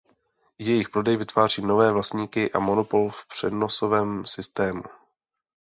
Jejich prodej vytváří nové vlastníky a monopol v přenosovém systému.